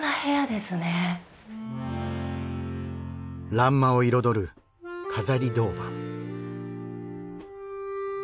欄間を彩る飾り銅板。